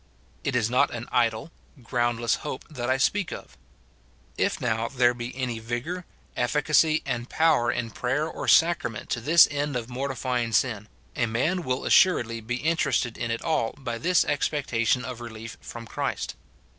It is not an idle, groundless hope that I speak of. If now there be any vigour, efficacy, and power in prayer or sacrament to this end of mortifying sin, a man will assuredly be interested in it all by this expectation of relief from Christ.